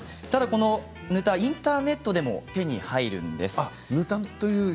ただこのぬたはインターネットでも手に入るんです。